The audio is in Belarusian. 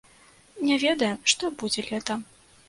Не ведаем, што будзе летам.